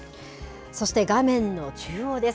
そして画面の中央です。